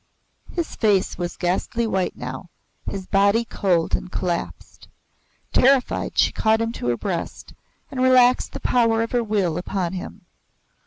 His face was ghastly white now, his body cold and collapsed. Terrified, she caught him to her breast and relaxed the power of her will upon him.